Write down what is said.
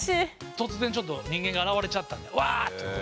突然ちょっと人間が現れちゃったんでわあっと。